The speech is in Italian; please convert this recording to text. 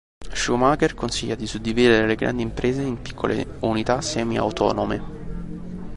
Schumacher consiglia di suddividere le grandi imprese in piccole unità semi-autonome.